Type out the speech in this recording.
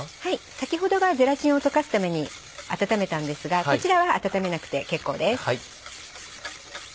先ほどがゼラチンを溶かすために温めたんですがこちらは温めなくて結構です。